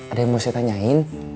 ada yang mo se tanyain